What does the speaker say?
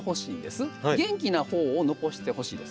元気な方を残してほしいです。